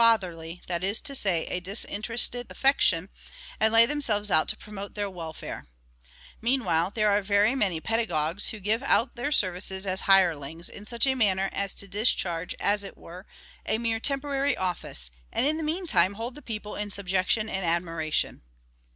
fatherly, that is to say, a disinterested affection, and lay themselves out to promote their welfare ! Meanwhile, there are very many pedagogues, who give out their sei vices as hirelings, in such a manner as to discharge as it were a mere temporary office, and in the meantime hold the people in subjection and admiration.